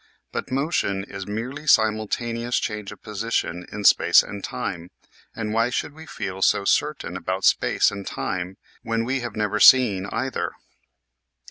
But motion is merely simultaneous change of position in space and time, and why should we feel so certain about space and time when we have never seen either